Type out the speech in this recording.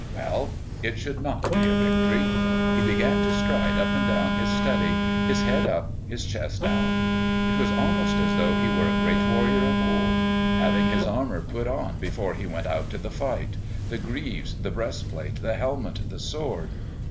Well, it should not be a victory. He began to stride up and down his study, his head up, his chest out. It was almost as though he were a great warrior of old, having his armour put on before he went out to the fight the greaves, the breastplate, the helmet, the sword....